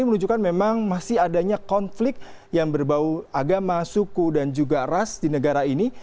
menunjukkan memang masih adanya konflik yang berbau agama suku dan juga ras di negara ini